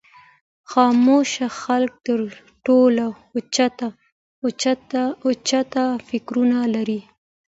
خاموشه خلک تر ټولو اوچت فکرونه لري.